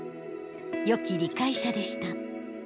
よき理解者でした。